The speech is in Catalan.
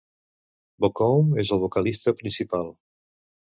Bocoum és el vocalista principal.